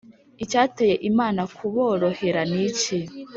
Icyateye Imana kuborohera ni iki?